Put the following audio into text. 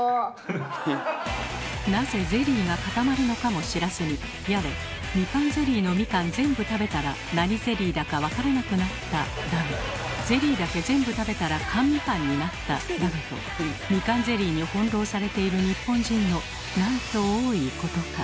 なぜゼリーが固まるのかも知らずにやれ「みかんゼリーのみかん全部食べたら何ゼリーだか分からなくなった」だの「ゼリーだけ全部食べたら缶みかんになった」だのとみかんゼリーに翻弄されている日本人のなんと多いことか。